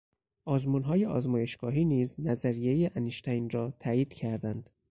آزمونهای آزمایشگاهی نیز نظریهی انشتین را تایید کردند.